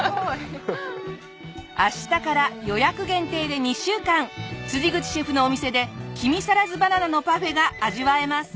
明日から予約限定で２週間口シェフのお店できみさらずバナナのパフェが味わえます。